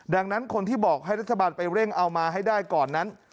ดังนั้นคนที่บอกให้รัฐบาลไปเร่งเอามาให้ได้ก่อนนั้น